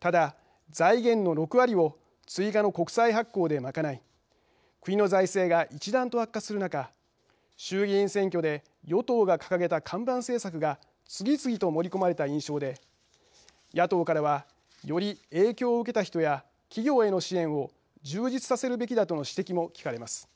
ただ財源の６割を追加の国債発行で賄い国の財政が一段と悪化する中衆議院選挙で与党が掲げた看板政策が次々と盛り込まれた印象で野党からはより影響を受けた人や企業への支援を充実させるべきだとの指摘も聞かれます。